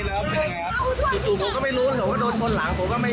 แล้วเป็นยังไงครับจู่ผมก็ไม่รู้หรอกว่าโดนชนหลังผมก็ไม่